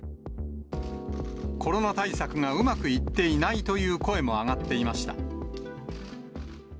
コロナ対策がうまくいっていないという声も上がっていました。